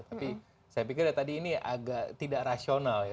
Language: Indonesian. tapi saya pikir ya tadi ini agak tidak rasional ya